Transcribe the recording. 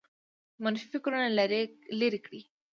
منفي فکرونه لرې کړئ